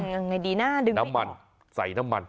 ยังไงดีนะดึงน้ำมันใส่น้ำมัน